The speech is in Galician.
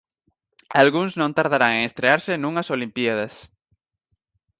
Algúns non tardarán en estrearse nunhas Olimpíadas.